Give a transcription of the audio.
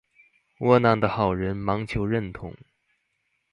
窩囊的好人忙求認同